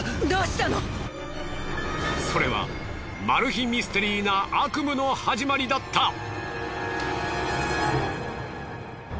それはマル秘ミステリーな悪夢の始まりだった。